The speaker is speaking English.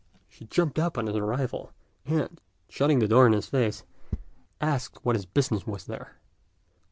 She jumped up on his arrival, and, shutting the door in his face, asked what his business was there.